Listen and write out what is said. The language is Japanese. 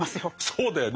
そうだよね。